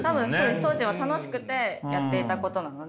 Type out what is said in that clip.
当時は楽しくてやっていたことなので。